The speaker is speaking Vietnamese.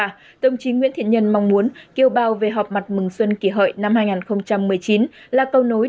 và đồng chí nguyễn thiện nhân mong muốn kiều bào về họp mặt mừng xuân kỳ hợi năm hai nghìn một mươi chín là câu nối